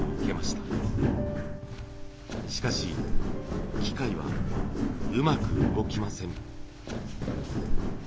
しかし機械はうまく動きません。